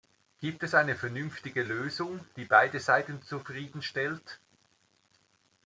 Gibt es eine vernünftige Lösung, die beide Seiten zufrieden stellt?